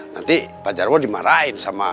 nanti pak jaro dimarahin sama